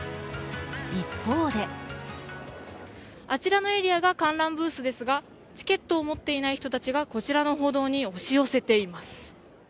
一方であちらのエリアが観覧ブースですが、チケットを持っていない人たちがこちらの歩道に押し寄せています。